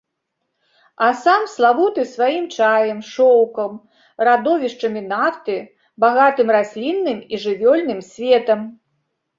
Асам славуты сваім чаем, шоўкам, радовішчамі нафты, багатым раслінным і жывёльным светам.